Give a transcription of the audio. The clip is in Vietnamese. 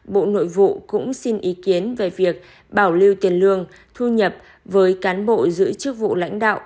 bộ nội vụ cũng xin ý kiến về việc bảo lưu tiền lương thu nhập với cán bộ giữ chức vụ lãnh đạo